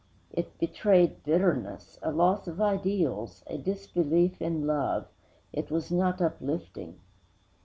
It betrayed bitterness, a loss of ideals, a disbelief in love; it was not uplifting.